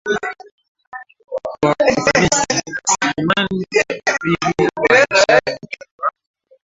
kwa ufanisi Rasilimali za usafiri waendeshaji wa